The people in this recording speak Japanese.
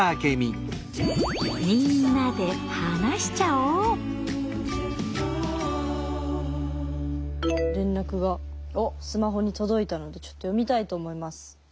みんなで連絡がスマホに届いたのでちょっと読みたいと思います。